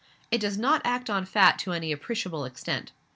It does not act on fat to any appreciable extent.